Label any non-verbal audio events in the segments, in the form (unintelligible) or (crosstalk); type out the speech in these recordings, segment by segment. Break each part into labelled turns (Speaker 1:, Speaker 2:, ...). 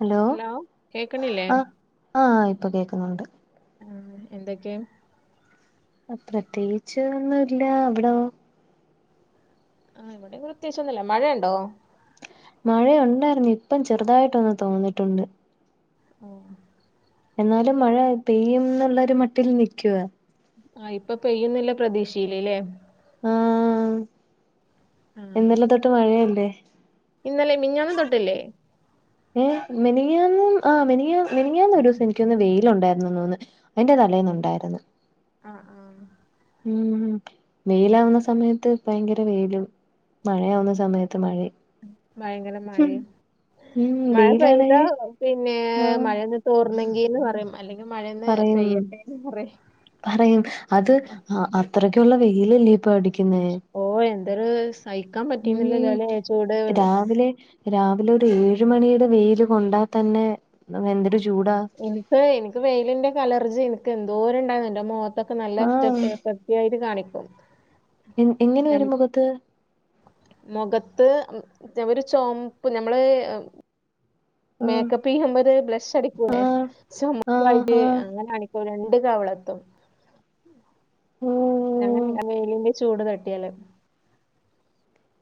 Speaker 1: Hello ആഹ് ആഹ് ഇപ്പ കേക്കുന്നുണ്ട്
Speaker 2: ഉം എന്തൊക്കെ
Speaker 1: പ്രത്യേകിച്ച് ഒന്നുല്ല അവിടോ
Speaker 2: ആഹ് ഇവിടെങ്ങനെ പ്രതെസി ഒന്നുല്ല മഴുണ്ടോ.
Speaker 1: മഴ ഉണ്ടായിരുന്നു ഇപ്പം ചെറുതായിട്ടൊന്ന് തോന്നിട്ടുണ്ട്
Speaker 2: ഓ
Speaker 1: എന്നാലും മഴ പെയ്യുംന്നുള്ളോരു മട്ടിൽ നിക്കുവ
Speaker 2: ആഹ് ഇപ്പൊ പെയ്യുന്നുള്ള പ്രതീക്ഷയില്ലേല്ലേ
Speaker 1: ആഹ്
Speaker 2: ആഹ്
Speaker 1: ഇന്നലെ തൊട്ട് മഴയല്ലേ
Speaker 2: ഇന്നലെ മിഞ്ഞാന്നും തൊട്ടില്ലേ
Speaker 1: ഏഹ് മെനിയന്നും ആഹ് മെനിയന്ന് മിനിഞ്ഞാന്ന് ഒരു ദിവസം എനിക്കൊന്ന് വെയിയിലുണ്ടായിരുന്നുന്ന് തോന്ന് അതിന്റെ തലേന്നുണ്ടായിരുന്നു
Speaker 2: ആഹ് ആഹ്
Speaker 1: ഉം വേയിലാവുന്ന സമയത്ത് പയങ്കര വെയിലും. മഴയാവുന്ന സമയത്ത് മഴയും
Speaker 2: ഭയങ്കര മഴയും
Speaker 1: ഉം
Speaker 2: മഴ പെയ്ത
Speaker 1: വെയിലാണെങ്കി
Speaker 2: പിന്നെ
Speaker 1: ആഹ്
Speaker 2: മഴ നിക്ക തോർന്നെങ്കിന്ന് പറയും അല്ലെങ്കി മഴേന്ന്
Speaker 1: പറയും
Speaker 2: പെയ്യട്ടെന്ന് പറയും.
Speaker 1: പറയും അത് അത്രക്കുള്ള വെയിലല്ലേ ഇപ്പൊടിക്കുന്നേ
Speaker 2: ഓ എന്തൊരു സഹിക്കാൻ പറ്റീന്നില്ലല്ലോ അല്ലേ ചൂട്
Speaker 1: അതില് രാവിലെ ഒരു ഏഴു മണിയുടെ വെയിൽ കൊണ്ടാ തന്നെ എന്തൊരു ചൂടാ
Speaker 2: എനിക്ക് എനിക്ക് വെയിലിന്റെ കലർജി എനിക്ക് എന്തോരം ഉണ്ടായിന്ന എന്റെ മുഖത്തൊക്കെ നല്ല
Speaker 1: ആഹ്
Speaker 2: എഴുതി കാണിക്കും.
Speaker 1: എ എങ്ങനെ
Speaker 2: ഞാൻ
Speaker 1: വരും മുഖത്ത്.
Speaker 2: മുഖത്ത് ഒരു ചുവപ്പ് നമ്മള്
Speaker 1: ആഹ്
Speaker 2: മേക്കപ്പ് ചെയ്യുമ്പോത് ബ്ലഷ് അടിക്കൂലെ
Speaker 1: ആഹ് ആഹ്
Speaker 2: സമക്കായിട്ട്
Speaker 1: ആഹ്
Speaker 2: അങ്ങനെ ആണിക്കോ രണ്ട് കവളത്തും
Speaker 1: ഓ
Speaker 2: അങ്ങനെ വേലിന്റെ ചൂട് തട്ടിയാല്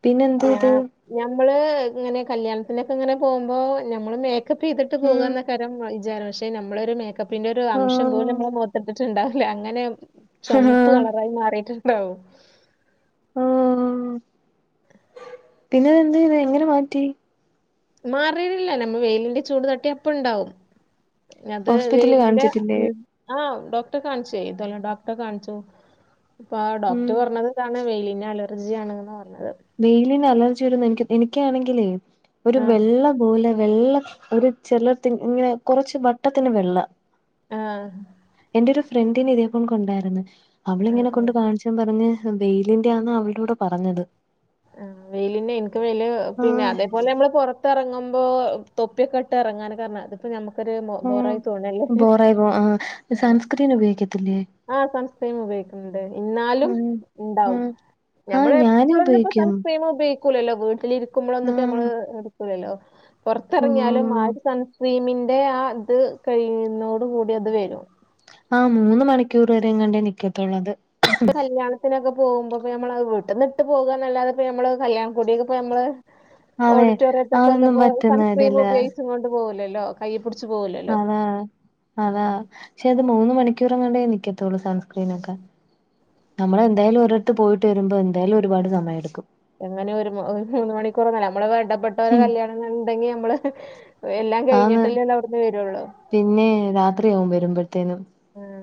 Speaker 1: പിന്നെ എന്ത്
Speaker 2: ഞ
Speaker 1: ഇത്
Speaker 2: ഞമ്മള് ഇങ്ങനെ കല്യാണത്തിനൊക്കെ ഇങ്ങനെ പോകുമ്പോ ഞമ്മള് മേക്കപ്പ് മേക്കപ്പ് ചെയ്തിട്ട്
Speaker 1: ഉം
Speaker 2: പോകന്നയ്കാരം വിചാരം പക്ഷെ നമ്മളൊരു മേക്കപ്പിന്റെ ഒരു അംശം
Speaker 1: ആഹ്
Speaker 2: പോലും നമ്മളെ മൊത്തിട്ടില്ല ണ്ടാവല്ലേ അങ്ങനെ ചുവപ്പ്
Speaker 1: ആഹ്
Speaker 2: കളറായി മാറിയിട്ടുണ്ടാവും
Speaker 1: ഓ ഓ പിന്നെ എന്ത് ഇത് എങ്ങനെ മാറ്റി
Speaker 2: മാറിട്ടില്ല നമ്മൾ വെയിലിന്റെ ചൂട് തട്ടിയ അപ്പണ്ടാവും അത്
Speaker 1: ഹോസ്പിറ്റലിൽ
Speaker 2: വെയിലിന്റെ
Speaker 1: കാണിച്ചിട്ടില്ലേ
Speaker 2: ഉം ആഹ് ഡോക്ടറെ കാണിച്ചേ തൊലി ഡോക്ടറെ കാണിച്ചു ഇപ്പ
Speaker 1: ഉം
Speaker 2: ഡോക്ടറെ പറഞ്ഞത് താണ് വെയിലിന് അലർജിയണ് ന്ന പറഞ്ഞത്
Speaker 1: വെയിലിന് അലർജി വരുന്ന എനിക്ക് എനിക്കാണെങ്കിലേ ഒരു
Speaker 2: ആഹ്
Speaker 1: വെള്ളം പലെ വെള്ള ഒരു ചെലട്ത് ഇങ്ങനെ കുറച്ച് വട്ടത്തിന് വെള്ള
Speaker 2: ആഹ്
Speaker 1: എന്റെ ഒരു ഫ്രണ്ടിനെ ഇതിപ്പോണുക്കുണ്ടായിരുന്നു
Speaker 2: ആഹ്
Speaker 1: അവളിങ്ങനെ കൊണ്ട്
Speaker 2: ആഹ്
Speaker 1: കാണിച്ച ൻ പറഞ്ഞ് ബെയിലിന്റെ ആന്ന അവൾടുടെ പറഞ്ഞത്
Speaker 2: ആ വെയിലിന്നെ ഇൻക്ക് വെയ്ല് പിന്നെ
Speaker 1: ആഹ്
Speaker 2: അതേപോലെ നമ്മള് കൊറ ത്ത്റങ്ങുമ്പോ തൊപ്പിയൊക്കെ ഇട്ട് ഇറങ്ങാനാ ത് നമക്കൊരു
Speaker 1: ഉം
Speaker 2: ബോറായി തോന്നല്ലേ ഹ്
Speaker 1: ക്രീനുപയോഗിക്കത്തില്ലേ..
Speaker 2: ആ സൺസ്ക്രീം ഉപയോഗിക്കുന്നുണ്ട്. ഇന്നാലും
Speaker 1: ഉം
Speaker 2: ഇണ്ടാവും
Speaker 1: ആഹ് ആഹ്
Speaker 2: നമ്മള്
Speaker 1: ഞാനും
Speaker 2: എപ്പോളന്നുപ്പോ
Speaker 1: ഉപയോഗിക്കും
Speaker 2: സൺസ്‌ക്രീമ് ഉപയോഗി ക്കുലല്ലോ. വീട്ടിലിരിക്കുമ്പളൊന്നും ഇപ്പോ
Speaker 1: ആഹ്
Speaker 2: നമ്മള് എടുക്കൂലല്ലോ. പുറത്തിറങ്ങിയാലും
Speaker 1: ഉം
Speaker 2: ആരു സൺ ക്രീമിന്റെ ആ ത് കഴിയുന്നോട് കൂടി അത് വരും
Speaker 1: ആഹ് മൂന്ന് മണിക്കൂർ വരെ എങ്ങണ്ടേ നിക്കത്തൊള്ളത്.
Speaker 2: ഇപ്പ കല്യാത്തിനൊക്കെ പോകുമ്പോക്കെ നമ്മളത് വീട്ടിന്ന് ഇട്ട് പോകാന്നല്ലാതെ നമ്മളത്, കല്യാണകുടിക്ക് പ്പ നമ്മള്
Speaker 1: അതെ അതൊന്നും
Speaker 2: ഓഡിറ്റോറിയത്തൊക്കൊന്നുപ്പോ
Speaker 1: പറ്റുന്ന
Speaker 2: സൺസ്ക്രീമ്
Speaker 1: കാര്യല്ല
Speaker 2: ഉപയോഗിച്ചു കൊണ്ട് പോവൂല്ലല്ലോ കയ്യി പുട്ച്ചു പോവൂലല്ലോ
Speaker 1: അതാണ് അതാ പക്ഷെ അത് മൂന്ന് മണിക്കൂറങ്ങാണ്ടേ നിക്കത്തുള്ളൂ സൺസ്ക്രീനൊക്കെ നമ്മളെന്തായാലും ഒരിടത്ത് പോയിട്ട് വരുമ്പോ എന്തായാലും ഒരുപാട് സമയെടുക്കും
Speaker 2: എങ്ങനെ ഒരു ഒരു മണിക്കൂറൊന്നല്ല. അമ്മളെ വേണ്ടപ്പെട്ടവരെ
Speaker 1: ഉം
Speaker 2: കല്യാണണ്ടെങ്കി നമ്മള് എല്ലാം കഴിഞ്ഞിട്ടല്ലേ ന്നഅവിടുന്ന് വരുള്ളൂ
Speaker 1: പിന്നേ രാത്രിയാവും വരുമ്പത്തേനും
Speaker 2: ആഹ്..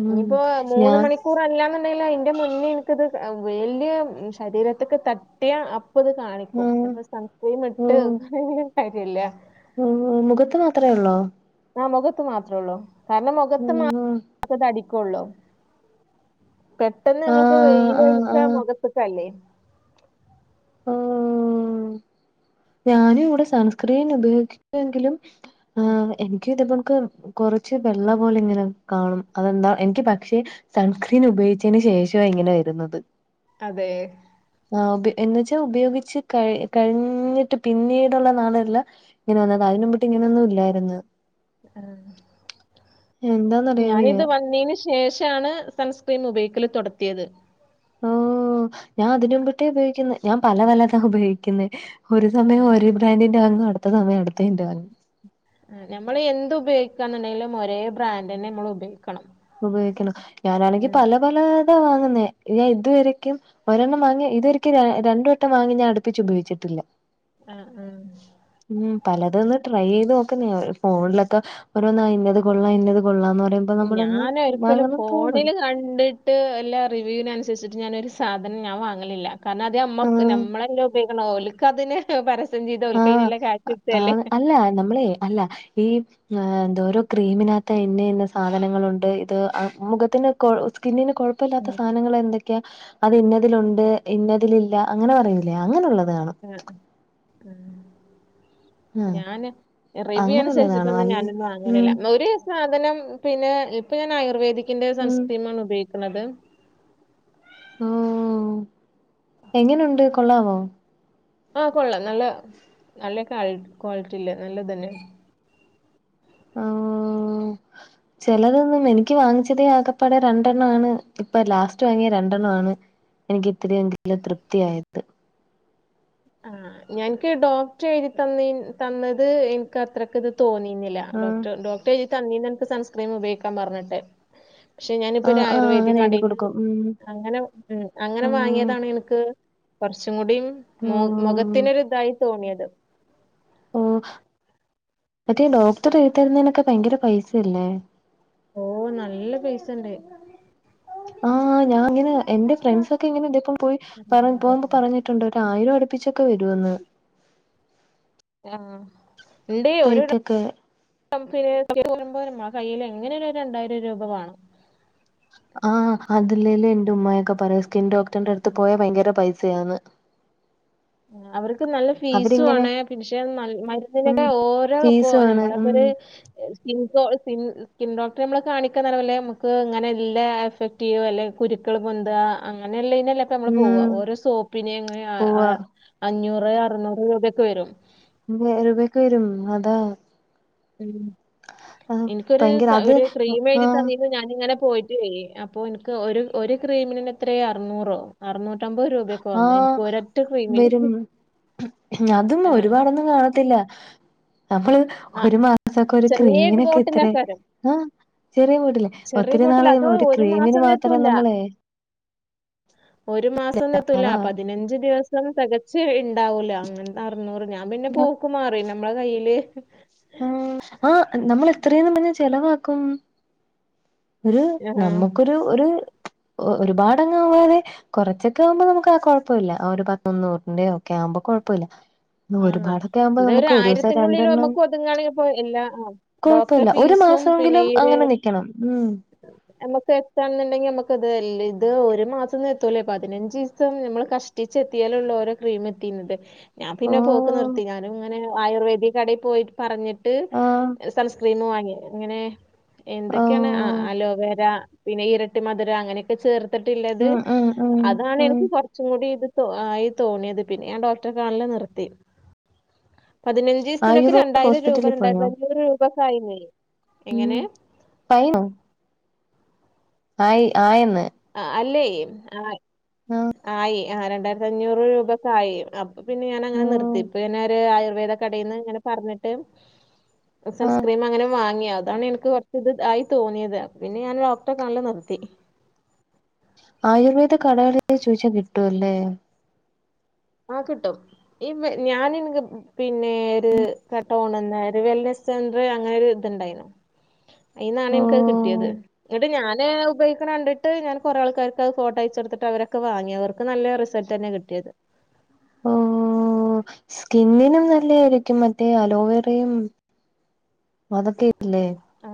Speaker 1: ഉം
Speaker 2: ഇഞ്ഞിപ്പോ
Speaker 1: ഞാൻ
Speaker 2: മൂന്ന്മണി ക്കൂറല്ലാന്ന്ണ്ടെങ്കിലു അയ്ന്റെ മുന്നേ ഇൻക്കിത് വെയില് ശരീരത്ത്ക്ക് ത ട്ടിയ അപ്പൊ ഇത് കാണിക്കും.
Speaker 1: ഉം
Speaker 2: അപ്പൊ സൺസ്‌ക്രീം ഇട്ട് കാര്യല്ല
Speaker 1: ആഹ് മുഖത്ത് മാത്രേ ഒള്ളോ?
Speaker 2: ആ മുഖത്ത് മാത്രേള്ളൂ. കാരണം മുഖത്ത്
Speaker 1: ഉം
Speaker 2: മാത്രതടിക്കൊള്ളു പെട്ടന്ന് നമ്മക്ക്
Speaker 1: ആഹ് ആഹ്
Speaker 2: വെയിലോളളിച്ച
Speaker 1: ആഹ്
Speaker 2: മുഖത്ത്ക്കല്ലേ
Speaker 1: ആഹ് ഞാനും ഇവിടെ സൺസ്ക്രീൻ ഉപയോഗിക്കുങ്കിലും ആ എൻ ക്ക് കൊറച്ച് വെള്ള പോലെ ഇങ്ങനെ കാണും അതെന്താ എനിക്ക് പക്ഷെ സൺസ്ക്രീൻ ഉപയോഗിച്ചെന് ശേഷവാ ഇങ്ങനെ വരുന്നത്
Speaker 2: അതെ
Speaker 1: ആ ഉപ എന്നച്ചാൽ ഉപയോഗിച്ച് കഴി കഴിഞ്ഞി ട്ട് പിന്നീടുള്ള നാളല്ല ഇങ്ങനെ വന്നത. അയിനുമ്പിട്ട് ഇങ്ങനെന്നും ഇല്ലായിരുന്ന്.
Speaker 2: ആഹ്
Speaker 1: എന്താന്നറിയാൻ വയ്യ
Speaker 2: ഞാനിത് വന്നീ ശേഷാണ് സൺസ്ക്രീം ഉപയോഗിക്കല് തൊടത്തിയത്
Speaker 1: ഓഹ് ഞാൻ അതിനുമ്പട്ടേ ഉപയോഗിക്കുന്ന ഞാൻ പല പലതാ ഉപയോഗിക്കുന്നെ ഒരു സമയം
Speaker 2: ആഹ്
Speaker 1: ഒരു ബ്രാൻഡിന്റെ വാങ്ങു. അടുത്ത സമയ അടുത്തേന്റെ വാങ്ങു
Speaker 2: നമ്മള് എന്ത് ഉപയോഗിക്കാന്നുണ്ടെങ്കിലും ഒരേ ബ്രാൻഡന്നെ നമ്മൾ ഉപയോ
Speaker 1: ഉപയോഗിക്കണം ഞാനാണെങ്കി പല പല ഇതാ വാങ്ങുന്നേ ഞാൻ ഇതുവരെ ഒരെണ്ണം വാങ്ങിയ ഇതൊരിക്കെ രണ്ട് വട്ടം വാങ്ങി ഞാൻ അടുപ്പിച്ച് ഉപയോഗിച്ചിട്ടില്ല
Speaker 2: ആഹ് ആഹ്
Speaker 1: ഉം പലതൊന്ന് ട്രൈയ്യ യ്ത് നോക്കുന്ന ഫോണിലൊക്കെ ഓരോന്നാ ഇന്നത് കൊള്ളാം ഇന്നത് കൊള്ളാം എന്ന് പറയുമ്പോ നമ്മക്ക്
Speaker 2: അനെ ഒരിക്കലും ഫോണില് കണ്ട് ട്ട് ല്ലാ റിവ്യൂവിനനുസരിച്ചിട്ട് ഞാനൊരു സാധനം ഞാൻ വാങ്ങലില്ല കാരണം അതമ നമ്മളെല്ലാം ഉപ കർണ ഓൽക്കത്തിന് പരസ്യം ചെയ്ത് ഒൽക്കൈനില്ല ക്യാശിട്ടല്ലേ
Speaker 1: നമ്മളേയ് അല്ല ഈ ആ എന്തോരോ ക്രീമിനകത്തഇന്ന ഇന്ന സാധനങ്ങളുണ്ട്. ഇത് ആഹ് മുഖത്തിന് കൊ സ്കിന്നിന് കുഴപ്പല്ലാത്ത
Speaker 2: ഉം
Speaker 1: സാനങ്ങൾ എന്തൊക്കെ ക്കെ അത് ഇന്നതിലുണ്ട് ഇന്നതില ഇല്ല അങ്ങനെ പറയുല്ലേ അങ്ങനെയുള്ളത് കാണും
Speaker 2: ആഹ് ഉം
Speaker 1: ആ
Speaker 2: ഞാന് റിവ്യൂ
Speaker 1: അങ്ങനെയുള്ളതാണോ
Speaker 2: അനുസരിച്ചിട്ടൊന്നും
Speaker 1: അല്ല
Speaker 2: ഞാനൊന്നും
Speaker 1: ഉം
Speaker 2: വാങ്ങലില്ല. ന്നൊര് സാധനം പിന്നെ ഇപ്പൊ ഞാൻ ആയുർവേദിക്കിന്റെ
Speaker 1: ഉം
Speaker 2: സൺസ്ക്രീം ആണ് ഉപയോഗിക്കുന്നത്.
Speaker 1: ഓ എങ്ങനുണ്ട് കൊള്ളാവോ?
Speaker 2: ആഹ കൊള്ളാം നല്ല നല്ല ക്വാളിറ്റി ഇള്ള നല്ലത് ന്നയ.
Speaker 1: ആ ഓ. ചിലതൊന്നും എനിക്ക് വാങ്ങിച്ചതേ ആകപ്പാടെ രണ്ടെണ്ണം ആണ് ഇപ്പൊ ലാസ്റ്റ് വാങ്ങിയ രണ്ടെണ്ണം ആണ്. എനിക്ക് ഇത്തിരിയെങ്കിലും തൃപ്തിയായത്.
Speaker 2: ആഹ്. ഞാൻ ക്ക് ഡോക്ടർ എഴുതി തന്നി തന്നത് എൻക് അത്ര ക്ക്ത് തോന്നി ന്നില്ല. ആഹ്, ഡോക്ട്, ഡോക്ട്റ് എഴുതി തന്നീനി അനക്ക് സൺസ്ക്രീം ഉപയോഗിക്കാൻ പറഞ്ഞിട്ട്. ക്ഷെ ഞാനിപ്പോ ഒരു
Speaker 1: ആഹ് ആഹ്
Speaker 2: ആയുർവേദി
Speaker 1: അങ്ങനെ എഴുതി
Speaker 2: കടീ ന്ന്.
Speaker 1: കൊടുക്കും ഉം
Speaker 2: അങ്ങനെ, ഉം, അങ്ങനെ
Speaker 1: ആഹ്
Speaker 2: വാങ്ങിയതാണ് ഇന്ക്ക്. കുറച്ചും കൂടിം. മു മൊ
Speaker 1: ആഹ്
Speaker 2: ഖത്തിനൊരിതായി തോന്നിയത്.
Speaker 1: ഓ. മറ്റേ ഡോക്ടർ എഴുതിതരുന്നേനൊക്കെ ഭയങ്കര പൈസ യല്ലെ?
Speaker 2: ഓ, നല്ല പൈസണ്ട്!
Speaker 1: ആഹ്, ഞാ ങ്ങന എന്റെ ഫ്രണ്ട്സൊ ക്കെ ഇങ്ങനെ ഇതേപ്പം പോയി പറ പോകുമ്പോ പറഞ്. ട്ടുണ്ട്. ഒര് ആയിരം അടുപ്പിച്ചൊക്ക വരു വെന്ന്.
Speaker 2: ആഹ്, ണ്ട് ഒരു. റ
Speaker 1: റേറ്റൊക്കെ
Speaker 2: (unintelligible) കയ്യില് എങ്ങനായാലും ഒരു രണ്ടായിരം രൂപ വാണം
Speaker 1: ആഹ്, അതില്ലേല. എന്റെ ഉമ്മയൊക്കെ പറയാ സ്കിൻ ഡോക്ടറിന്റെ അട്ത്ത് പോയാ ഭയങ്കര പൈസയാ ന്ന്.
Speaker 2: അവർക്ക് നല്ല ഫീസു
Speaker 1: അവരിങ്ങനെ
Speaker 2: ആണ്. പിക്ഷെ നല്
Speaker 1: ഉം
Speaker 2: മരുന്നിനൊക്കെ ഓരോ പ്പോ
Speaker 1: ഫീസുവാണ് ഉം
Speaker 2: നമ്മളപ്പൊരു. സ്കിൻ സോ സിൻ സ്കിൻ ഡോക്ടറെ നമ്മള് കാണിക്കാ നവല്ലേ നമുക്ക് ങ്ങനെ ല്ലേ എഫക്. ടീവല്ലെ കുരുക്കൾ പൊന്ത അങ്ങനെള്ളീനല്ലെ. ട്ടീ ക്കെ നമ്മള് പോവാ.
Speaker 1: ഉം
Speaker 2: ഒരോ സോപ്പിന് അങ്ങെ അ അ
Speaker 1: ഉവ്വ
Speaker 2: അഞ്ഞൂറ് അറുന്നൂറ് രൂപയൊക്കെ വരും.
Speaker 1: (unintelligible) വരും അതാ.
Speaker 2: ഉം,
Speaker 1: ആഹ്
Speaker 2: ഇൻക്കൊരു
Speaker 1: ഭയങ്കര
Speaker 2: സ
Speaker 1: അത്
Speaker 2: ഒരു ക്രീമ് എഴുതി
Speaker 1: ആഹ്
Speaker 2: തന്നീന് ഞാനിങ്ങനെ. പോയിട് വെയ്യ്. അപ്പൊ ൻക്ക് ഒരു, ഒരു ക്രീമിന് ന്നെ ത്രെ. അറുന്നൂറോ? അറനൂറ്റമ്പത് രൂപയൊക്ക വന്നു.
Speaker 1: ആഹ്
Speaker 2: ഇൻക്ക് ഒരൊറ്റ ക്രീമിന്.
Speaker 1: വരും അതും
Speaker 2: ആ
Speaker 1: ഒരുപാടൊന്നും കാണത്തില്ല, നമ്മള്.
Speaker 2: ആ
Speaker 1: ഒരു മാസക്കൊരു
Speaker 2: ചെറിയ
Speaker 1: ക്രീമിനൊക്കെ ത്രെ?
Speaker 2: ബോട്ടിലൊക്കെ
Speaker 1: ആഹ്, ചെറിയ മു. ട്ടില്ലെ.
Speaker 2: ചെറിയ
Speaker 1: ഒത്തിരി
Speaker 2: ബോട്ടിൽ
Speaker 1: നാളായി
Speaker 2: അത്
Speaker 1: നമ്മ ഒരു ക്രീമിന്
Speaker 2: മാസൊന്നും
Speaker 1: മാത്രം
Speaker 2: എത്തൂല
Speaker 1: നമ്മള്. ട്രി.
Speaker 2: ഒരു മാസൊന്നും ത്തൂല.
Speaker 1: അതാ
Speaker 2: പതിനഞ്ച് ദിവസം തെക. ശരി ണ്ടാവൂല അങ്ങനെ അറ്ന്നൂറ് ഞാൻ പിന്നെ പോക്ക് മാറി നമ്മളെ കയ്യില്.
Speaker 1: ആഹ് ആഹ് നമ്മൾ എത്രേന്നും പറഞ്ഞ് ചെലവാക്കും. ഒരു
Speaker 2: ആഹ്
Speaker 1: നമ്മക്കൊരു ഒരു ഒരു ഒരുപാടങ്ങാവാതെ. കുറച്ചൊക്കെ ആവുമ്പോ നമുക്കാ കുഴപ്പൊല്ല്യ ഒരു പത്തൊന്നൂറിന്റെ ക്കെ ആവുമ്പോ കുഴപ്പൊല്യ.
Speaker 2: ആഹ് ഇത് ഒരു ആയിരത്തിന്റുള്ളിൽ നമ്മക്ക് ഒതുങ്ങാണെപ്പോ എല്ലാ ആഹ്.
Speaker 1: കൊഴപ്പൊല്ല ഒരു മാസെങ്കിലും അങ്ങനെ നിക്കണം ഉം.
Speaker 2: നമ്മക്ക് എത്താണെന്ന്ണ്ടെങ്കി നമ്മക്ക് ല്യ ഇത് ഒരു മാസം ന്ന് എത്തൂലേ പതിനഞ്ചീസം നമ്മൾ കഷ് റ്റിച്ച് എത്തിയാലൊള്ളു ഓരോ ക്രീം എത്തീനത്.
Speaker 1: ഓ
Speaker 2: പിന്നെ പോക്ക് നിർത്തി. ഞാനും ങ്ങനെ ആയുർവേദിക്കടേൽ പോയിട്ട് പറഞ്ഞ് ട്ട്
Speaker 1: ആഹ്
Speaker 2: സൺസ്ക്രീം വാങ്ങി ങ്ങനെ
Speaker 1: ഓ
Speaker 2: എന്തൊക്കെയാണ് അ അലോവേര പിന്നെ ഇ ഇരട്ടിമധുര അങ്ങനെയൊക്കെ ചേർത്തിട്ടുള്ളത്.
Speaker 1: ഉം ഉം ഉം
Speaker 2: അതാണ്
Speaker 1: ഉം
Speaker 2: എനിക്ക് കൊ ച്ചുംടി ഇത് തൊ ആയി തോന്നിയത് പിന്നെ ഞാൻ ഡോക്ടറെ കാണൽ നിർത്തി. പതിനഞ്ചീസ്ത്തിനൊക്കെ
Speaker 1: ആയുർവേദ
Speaker 2: രണ്ടായിരം രൂപ
Speaker 1: ഹോസ്പിറ്റലിൽ പോയോ
Speaker 2: രണ്ടായിരത്തഞ്ഞൂറ് രൂപക്കെ ആയിനി. എങ്ങനെ
Speaker 1: ആയി ണോ? ആയി ആയെന്ന്.
Speaker 2: ആ അല്ലേയ് ആ ആയി ആ രണ്ടായിരത്തഞ്ഞൂറ് രൂപക്കായി അ പിന്നെ
Speaker 1: ഓ
Speaker 2: ഞാനങ്ങനെ നിർത്തി. ഇപ്പ പിന്നൊരു ആയുർവേദ കടേന്ന് ങ്ങനെ പറഞ്ഞിട്ട്.
Speaker 1: ആഹ്
Speaker 2: സൺസ്ക്രീം അങ്ങനെ വാങ്ങി. അതാണ് ഇൻ ക്ക് കൊർച്ച് ഇത് ആയി തോന്നിയത്. പിന്നെ ഞാൻ ഡോക്ടറെ കാണൽ നിർത്തി.
Speaker 1: ആയുർവേദ കടകളിൽ ചോയ്ച്ച കിട്ടോല്ലേ.
Speaker 2: ആഹ കിട്ടും. ഈ ഞാന് ൻക്ക് പിന്നെ ഒര് കട്ട (unintelligible) വെൽനെസ്, സെൻഡ്രിൽ അങ്ങനെ, ഒരു ഇതുണ്ടായിരുന്നു. ഇന്നാണ്,
Speaker 1: ഓ
Speaker 2: എനിക്കത്, കിട്ടിയത് എന്നിട്ട്, ഞാന് ഉപയോഗിക്കണണ്ട്. എന്നിട്ട്, ഞാൻ, കുറെ ആൾക്കാ ർക്ക്, അത് ഫോട്ടോ, അയച്ചു കൊടുത്തിട്ട്, അവർക്കൊക്കെ വാങ്ങിയ, വർക്ക്, നല്ല, റിസൾട്ട് തന്നാ, കിട്ടിയത്.
Speaker 1: ഓ, സ്കിന്നിനും, നല്ലായിരിക്കും മറ്റേ, അലോവേരയും. അതൊക്കെല്ലേ
Speaker 2: ആ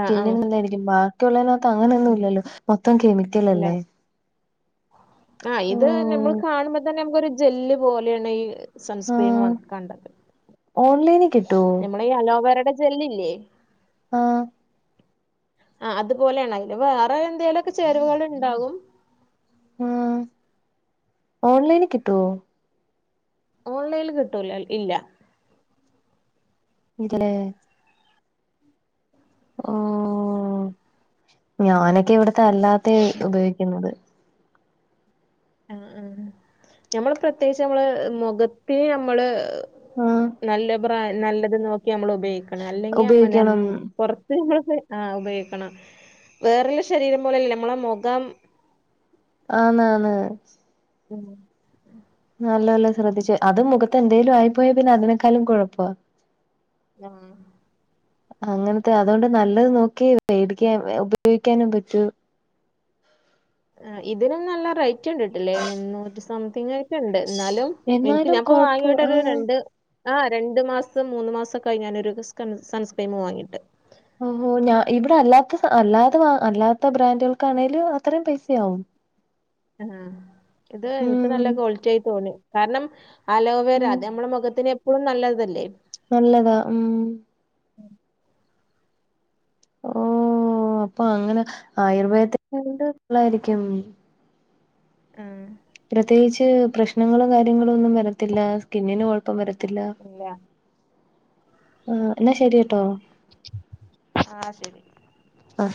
Speaker 2: ആ ആ
Speaker 1: നല്ലായിരിക്കും, ബാക്കിയുള്ളതിനകത്ത് അങ്ങനെയൊന്നും, ഇല്ലല്ലോ, മൊത്തം, കേമിക്കല്.
Speaker 2: ഇല്ല
Speaker 1: റ്റിലിലല്ലെ
Speaker 2: ആഹ് ഇത് നമ്മള്
Speaker 1: ഉം
Speaker 2: കാണുമ്പോ തന്നെ നമുക്കൊരു ജെല്ല് പോലെയാണ് ഈ സൺസ്ക്രീമ് വൺകണ്ടത്
Speaker 1: ഓൺലൈനി കിട്ടും.
Speaker 2: നമ്മടെ ഈ അലോവേരയുടെ ജെല്ലില്ലേ
Speaker 1: ആ
Speaker 2: ആ അതുപോലെയാണ് അതിന്റെ വേറെ എന്തെലുമൊക്കെ ചേരുവകൾ ഉണ്ടാകും.
Speaker 1: മം ഓൺലൈനിൽ കിട്ടുവോ?
Speaker 2: ഓൺലൈനിൽ കിട്ടൂല്ലാ ഇല്ല.
Speaker 1: ഇതല്ലേ ഓ ഞാനൊക്കെ ഇവിടത്തെ അല്ലാത്ത ഉപയോഗിക്കുന്നത്.
Speaker 2: ആ, ആ, നമ്മള്, പ്രത്യേകിച്ച്, നമ്മള്, മുഖത്തിന്, നമ്മള്.
Speaker 1: ആഹ്
Speaker 2: നല്ല ബ്രാൻ നല്ലത് നോക്കി നമ്മള് ഉപയോഗിക്കണം അല്ലെങ്കിൽ
Speaker 1: ഉപയോഗിക്കണം
Speaker 2: നനമ്മ പൊറത്ത് (unintelligible) ആഹ് ഉപയോഗിക്കണം വേറെല്ല ശരീരം പോലല്ലാ നമ്മളെ മുഖം
Speaker 1: ആന്ന് ആന്ന്
Speaker 2: ഉം
Speaker 1: നല്ലൊലേ ശ്രദ്ധിച്ച് അതും മുഖത്ത് എന്തേലും ആയി പോയാ പിന്നെ അതിനേക്കാളും കുഴപ്പാ.
Speaker 2: (unintelligible)
Speaker 1: അങ്ങനത്തെ അതുകൊണ്ട് നല്ലത് നോക്കിയെ മേടിക്കാൻ ഉപയോഗിക്കാനും പറ്റൂ.
Speaker 2: ഇതിനും നല്ല റേറ്റ് കണ്ടിട്ടില്ലേ മുന്നൂറ്റി സംതിങ്. ഇണ്ട് എന്നാലും എനിക്ക്
Speaker 1: എന്നാലും
Speaker 2: ഞാനിപ്പോ
Speaker 1: കൊഴപ്പ
Speaker 2: വാങ്ങിണ്ട് ഒരു
Speaker 1: ആഹ്
Speaker 2: രണ്ട് ആ രണ്ടു മാസം മൂന്ന് മാസക്കായി ഞാൻ ഒരു സൺസ്ക്രീം വാങ്ങിയിട്ട്.
Speaker 1: ഓഹോ ഇവിടെ അല്ലാത്ത സാ അല്ലാ അല്ലാത്ത ബ്രാൻഡുകൾക്കാണെലും അത്രയും പൈസയാവും.
Speaker 2: ആ, ഇത്, എനിക്ക്,
Speaker 1: ഉം
Speaker 2: നല്ല, കോളിറ്റിആയി, തോന്നി, കാരണം. അലോവേരാ,
Speaker 1: ഉം
Speaker 2: അത് നമ്മുടെ, മുഖത്തിന് എപ്പോഴും നല്ലതല്ലേ.
Speaker 1: നല്ലതാ, മം. അപ്പൊ, അങ്ങനെ, ആയുർവേദത്തിലുള്ളതായിരിക്കും.
Speaker 2: ആ
Speaker 1: പ്രത്യേകിച്ച് പ്രശ്നങ്ങളും കാര്യങ്ങളും, ഒന്നും വരത്തില്ല സ്കിന്നിന് കുഴപ്പം വരത്തില്ല.
Speaker 2: ഇല്ല
Speaker 1: ആ എന്നാ ശരിട്ടോ.
Speaker 2: ആ, ശരി.
Speaker 1: ആ